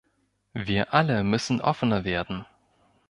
Wir alle müssen offener werden.